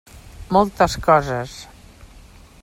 Moltes coses.